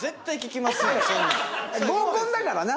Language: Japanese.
合コンだからな。